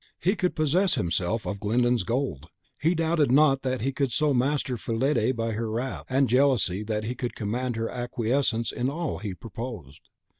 he could possess himself of Glyndon's gold; he doubted not that he could so master Fillide by her wrath and jealousy that he could command her acquiescence in all he proposed.